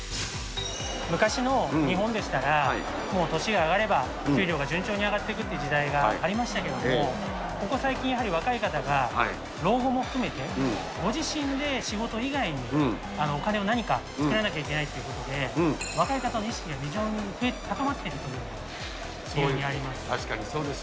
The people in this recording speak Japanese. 昔の日本でしたら、もう年が上がれば、給料が順調に上がっていくっていう時代がありましたけれども、ここ最近、やはり若い方が老後も含めて、ご自身で仕事以外に、お金を何か作らなきゃいけないということで、若い方の意識が非常に高まっているというのがあります。